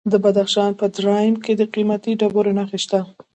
د بدخشان په درایم کې د قیمتي ډبرو نښې دي.